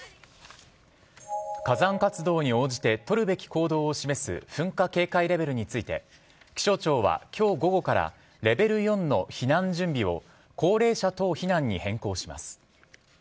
火山活動に応じて取るべき行動を示す噴火警戒レベルについて気象庁は今日午後からレベル４の避難準備を高齢者等避難に変更します。